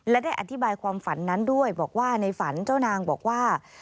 และได้อธิบายความฝันนั้นด้วยบอกว่าในฝันเจ้านางบอกว่า